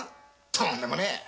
とんでもねぇ！